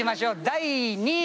・第２位。